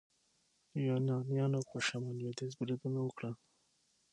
یونانیانو په شمال لویدیځ بریدونه وکړل.